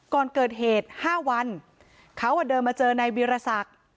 ก่อนเกิดเหตุ๕วันเขาเดินมาเจอนายวีรศักดิ์